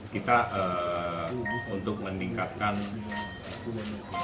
kita untuk meningkatkan nilai kompetisi di indonesia